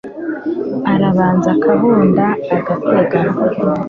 arabanza akabunda, agatega